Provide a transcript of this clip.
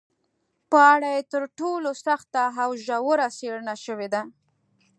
په اړه یې تر ټولو سخته او ژوره څېړنه شوې ده